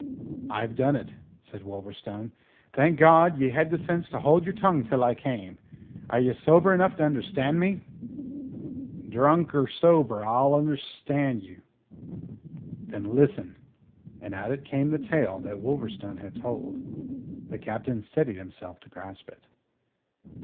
"I've done it," said Wolverstone. "Thank God, ye had the sense to hold your tongue till I came. Are ye sober enough to understand me?" "Drunk or sober, allus 'derstand you." "Then listen." And out came the tale that Wolverstone had told. The Captain steadied himself to grasp it.